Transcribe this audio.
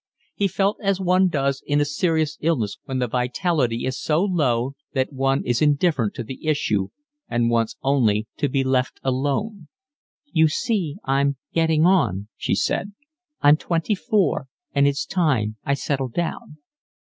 He felt as one does in a serious illness when the vitality is so low that one is indifferent to the issue and wants only to be left alone. "You see, I'm getting on," she said. "I'm twenty four and it's time I settled down."